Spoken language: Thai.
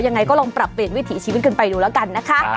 ยังไงก็ลองปรับเปลี่ยนวิถีชีพแลยวเดี๋ยวกันนะคะ